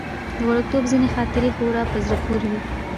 د وړکتوب ځينې خاطرې خورا په زړه پورې وي.